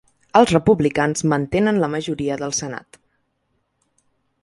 Els republicans mantenen la majoria del senat.